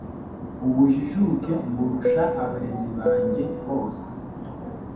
Ubujijuke mburusha abarezi banjye bose